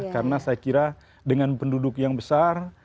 karena saya kira dengan penduduk yang besar